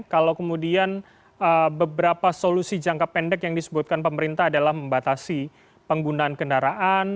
kalau kemudian beberapa solusi jangka pendek yang disebutkan pemerintah adalah membatasi penggunaan kendaraan